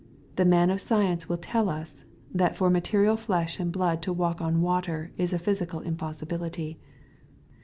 The man of science will tell us, that for material flesh and blood to walk on water is a physical impossibility.